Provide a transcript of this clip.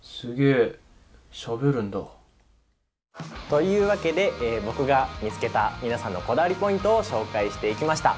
というわけで僕が見つけた皆さんのこだわりポイントを紹介していきました。